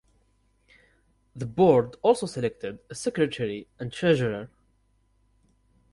The Board also selected a Secretary and Treasurer.